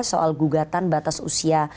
soal gugatan batas usia